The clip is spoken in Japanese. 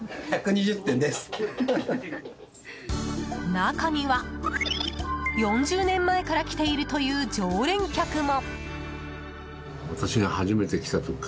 中には、４０年前から来ているという常連客も。